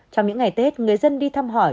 trong những ngày tết người dân đi thăm hỏi